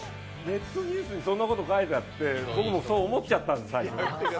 ネットニュースにそんなこと書いてあって僕もそう思っちゃったんです、最初。